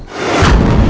kau bisa lihat